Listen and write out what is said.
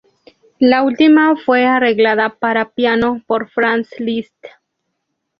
La última fue arreglada para piano por Franz Liszt.